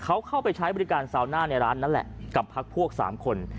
เขาเข้าไปใช้บริการซาวน่าในร้านนั่นแหละกับพักพวก๓คน